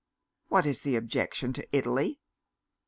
"What is the objection to Italy?"